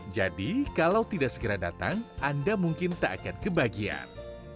jadi kalau tidak segera datang anda mungkin tak akan kebahagiaan